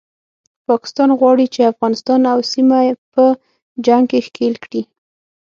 پاکستان غواړي چې افغانستان او سیمه په جنګ کې ښکیل کړي